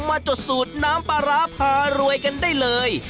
จดสูตรน้ำปลาร้าพารวยกันได้เลย